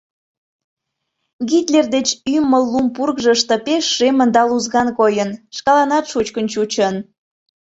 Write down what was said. Гитлер деч ӱмыл лум пургыжышто пеш шемын да лузган койын, шкаланат шучкын чучын.